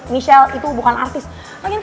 michelle itu bukan artis ngerti catet tuh baik baik